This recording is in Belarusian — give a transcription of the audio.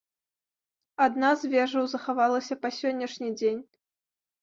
Адна з вежаў захавалася па сённяшні дзень.